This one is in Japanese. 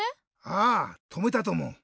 ああとめたとも。